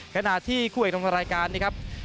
ขณะที่คู่เอกของรายการนี้ครับ